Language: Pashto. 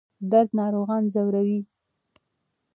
درد ناروغان ځوروي.